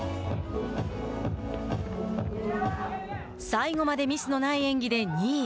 最後までミスのない演技で２位。